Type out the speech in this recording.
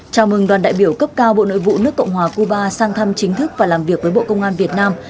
chào mừng đoàn đại biểu cấp cao bộ nội vụ nước cộng hòa cuba sang thăm chính thức và làm việc với bộ công an việt nam